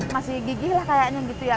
masih gigih lah kayaknya gitu ya